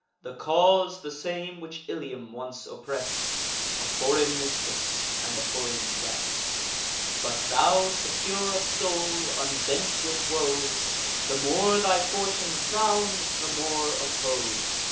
The cause the same which Ilium once oppress'd; A foreign mistress, and a foreign guest. But thou, secure of soul, unbent with woes, The more thy fortune frowns, the more oppose.